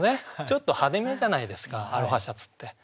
ちょっと派手めじゃないですかアロハシャツって。